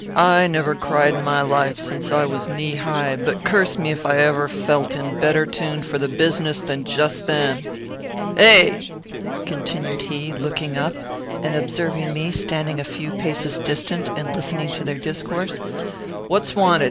I never cried in my life, since I was knee high, but curse me if I ever felt in better tune for the business than just then. Hey!" continued he, looking up, and observing me standing a few paces distant, and listening to their discourse; "what's wanted?